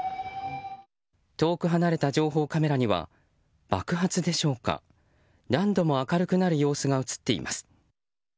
遠く離れた情報カメラには爆発でしょうか何度も明るくなる様子が映っています。